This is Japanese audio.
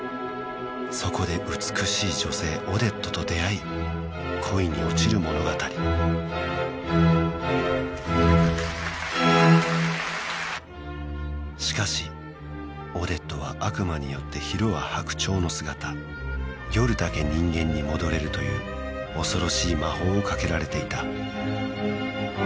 そこで美しい女性オデットと出会い恋に落ちる物語しかしオデットは悪魔によって昼は白鳥の姿夜だけ人間に戻れるという恐ろしい魔法をかけられていた